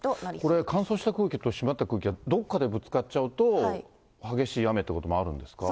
これ、乾燥した空気と湿った空気がどっかでぶつかっちゃうと、激しい雨ということもあるんですか。